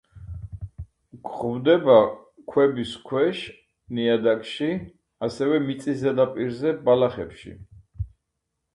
გვხვდება ქვების ქვეშ, ნიადაგში, ასევე მიწის ზედაპირზე, ბალახებში.